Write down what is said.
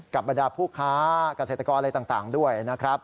กับบรรดาผู้ค้าการเศรษฐกรอะไรต่างด้วยนะครับ